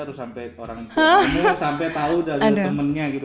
harus sampe orang itu sampe tau dari temennya gitu